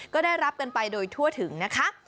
ก็ได้รับกันไปโดยทั่วถึงนะคะ